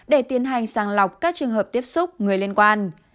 để tiến hành sàng lọc các trường hợp tiếp xúc người liên quan